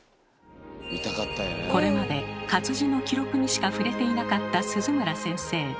これまで活字の記録にしか触れていなかった鈴村先生。